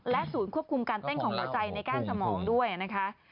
ศูนย์ควบคุมการเต้นของหัวใจในก้านสมองด้วยนะคะ